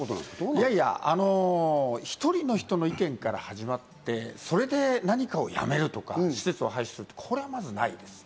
いやいや、１人の人の意見から始まって、それで何かをやめるとか、施設を廃止する、これはまず、ないですね。